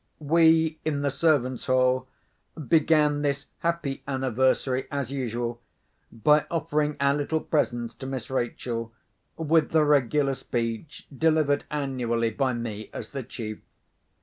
We, in the servants' hall, began this happy anniversary, as usual, by offering our little presents to Miss Rachel, with the regular speech delivered annually by me as the chief.